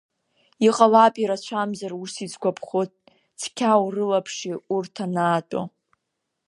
Иҟалап ирацәамзар ус изгәаԥхо, цқьа урылаԥши урҭ анаатәо!